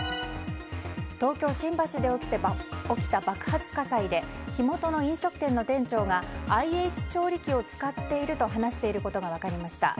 東京・新橋で起きた爆発火災で火元の飲食店の店長がＩＨ調理器を使っていると話していることが分かりました。